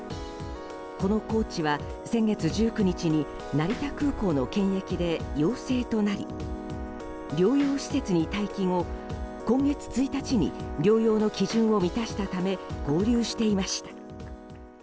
このコーチは先月１９日に成田空港の検疫で陽性となり、療養施設に待機後今月１日に療養の基準を満たしたため合流していました。